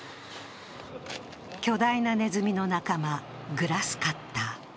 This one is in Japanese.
巨大なネズミの仲間グラスカッター。